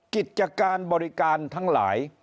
กิจการบริการทั้งหลาย